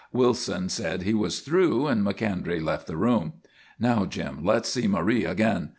Wilson said he was through, and Macondray left the room. "Now, Jim, let's see Marie again.